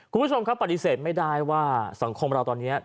คุณผู้ชมครับปฏิเสธไม่ได้ว่าสังคมเราตอนนี้